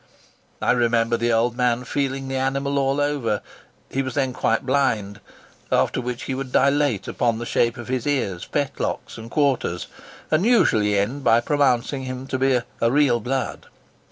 I remember the old man feeling the animal all over—he was then quite blind—after which he would dilate upon the shape of his ears, fetlocks, and quarters, and usually end by pronouncing him to be a 'real blood.